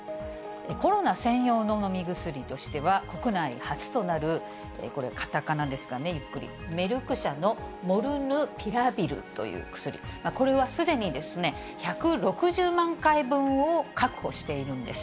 コロナ専用の飲み薬としては、国内初となる、これ、カタカナですが、ゆっくり、メルク社のモルヌピラビルという薬、これはすでに１６０万回分を確保しているんです。